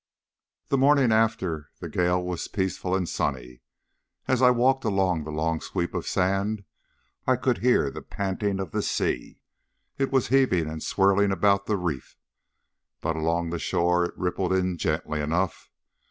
The morning after the gale was peaceful and sunny. As I walked along the long sweep of sand I could hear the panting of the sea. It was heaving and swirling about the reef, but along the shore it rippled in gently enough.